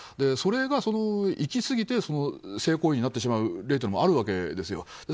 それが行き過ぎて性行為になってしまう例もあるんです。